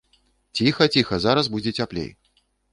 Ціха, ціха, зараз будзе цяплей.